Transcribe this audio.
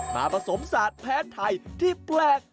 มาผสมสัตว์แผลไทยที่แปลก